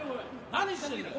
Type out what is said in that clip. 何してんだよ！